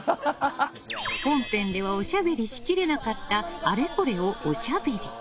本編ではおしゃべりしきれなかったあれこれをおしゃべり。